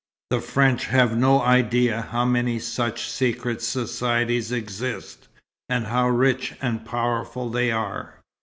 The French have no idea how many such secret societies exist, and how rich and powerful they are.